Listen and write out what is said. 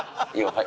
はい。